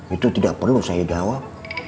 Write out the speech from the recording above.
itu tidak perlu saya jawab